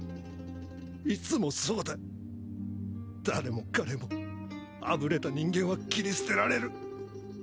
いつもそうだ誰も彼もあぶれた人間は切り捨てられる！